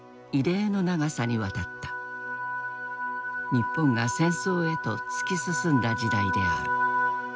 日本が戦争へと突き進んだ時代である。